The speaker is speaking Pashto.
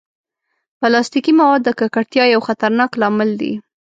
پلاستيکي مواد د ککړتیا یو خطرناک لامل دي.